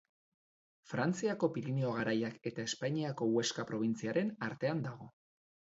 Frantziako Pirinio Garaiak eta Espainiako Huesca probintziaren artean dago.